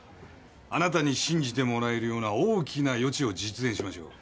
あなたに信じてもらえるような大きな予知を実演しましょう。